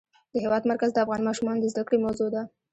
د هېواد مرکز د افغان ماشومانو د زده کړې موضوع ده.